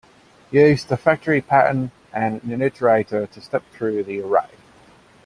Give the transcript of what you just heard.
Use the factory pattern and an iterator to step through the array.